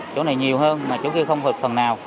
chỗ này nhiều hơn mà chỗ kia không có phần nào